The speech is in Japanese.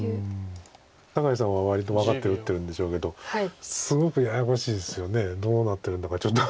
酒井さんは割と分かって打ってるんでしょうけどすごくややこしいですよねどうなってるんだかちょっと。